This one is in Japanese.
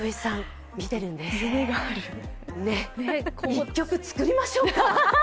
１曲作りましょうか？